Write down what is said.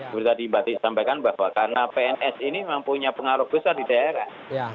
seperti tadi mbak ti sampaikan bahwa karena pns ini memang punya pengaruh besar di daerah